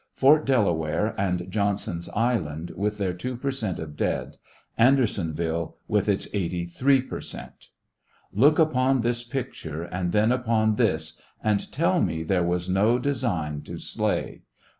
Jf'ort Delaware and Johnson's island, with their two per cent, of dead. An dersonxnlle with its 83 per cent. !" Look upon this picture and then upon this," and tell me there was no design to slay